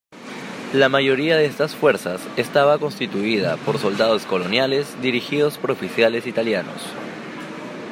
La mayoría de estas fuerzas estaba constituida por soldados coloniales dirigidos por oficiales italianos.